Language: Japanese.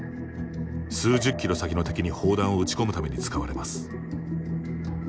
数十キロ先の敵に砲弾を撃ち込むために使われます。